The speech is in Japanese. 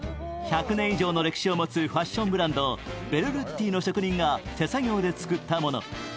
１００年以上の歴史を持つファッションブランドベルルッティの職人が手作業で作ったもの。